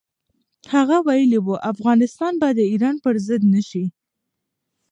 هغه ویلي و، افغانستان به د ایران پر ضد نه شي.